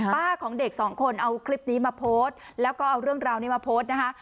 ของเด็กสองคนเอาคลิปนี้มาโพสต์แล้วก็เอาเรื่องราวนี้มาโพสต์นะคะ